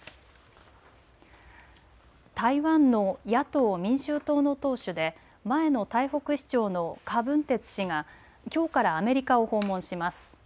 台湾の野党・民衆党の党首で前の台北市長の柯文哲氏がきょうからアメリカを訪問します。